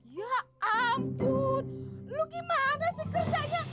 ya ampun lu gimana sih kerjanya